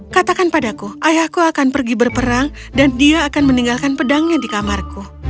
katakan padaku ayahku akan pergi berperang dan dia akan meninggalkan pedangnya di kamarku